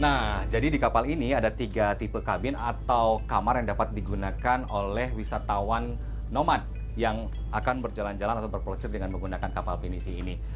nah jadi di kapal ini ada tiga tipe kabin atau kamar yang dapat digunakan oleh wisatawan nomad yang akan berjalan jalan atau berproses dengan menggunakan kapal pinisi ini